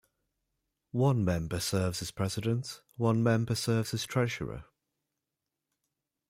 One member serves as president, one member serves as treasurer.